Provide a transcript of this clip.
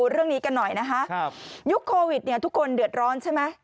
เรื่องนี้กันหน่อยนะคะยุคโควิดเนี่ยทุกคนเดือดร้อนใช่ไหม